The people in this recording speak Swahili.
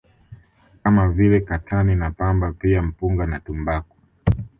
kama vile Katani na Pamba pia Mpunga na tumbaku